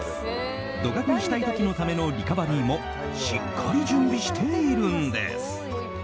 ドカ食いしたい時のためのリカバリーもしっかり準備しているんです。